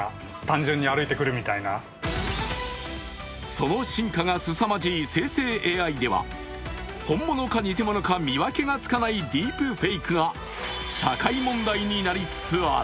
その進化がすさまじい生成ＡＩでは、本物か偽物か見分けがつかないディープフェイクが社会問題になりつつある。